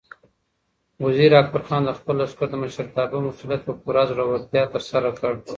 وزیر اکبر خان د خپل لښکر د مشرتابه مسؤلیت په پوره زړورتیا ترسره کړ.